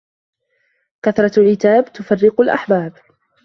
كثرة العتاب تفرق الأحباب